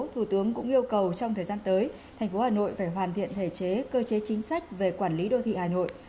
thủ tướng cũng yêu cầu trong thời gian tới thành phố hà nội phải hoàn thiện thể chế cơ chế chính sách về quản lý đô thị hà nội